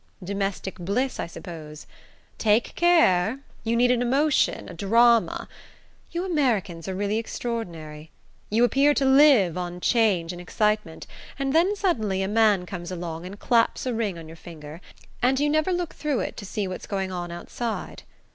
Domestic bliss, I suppose? Take care! You need an emotion, a drama... You Americans are really extraordinary. You appear to live on change and excitement; and then suddenly a man comes along and claps a ring on your finger, and you never look through it to see what's going on outside.